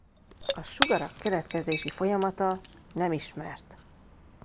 A sugarak keletkezési folyamata nem ismert.